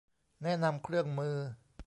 แนะนำเครื่องมือ